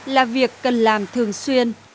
là việc cần làm thường xuyên